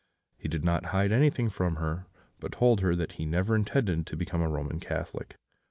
He did not hide anything from her, but told her that he never intended to become a Roman Catholic.